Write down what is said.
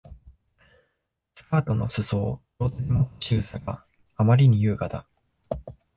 スカートの裾を両手でもつ仕草があまりに優雅だ